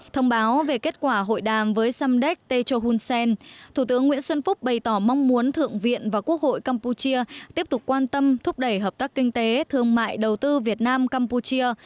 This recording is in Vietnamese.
thông báo về kết quả hội đàm với samdek techo hun sen thủ tướng nguyễn xuân phúc bày tỏ mong muốn thượng viện và quốc hội campuchia tiếp tục quan tâm thúc đẩy hợp tác kinh tế thương mại đầu tư việt nam campuchia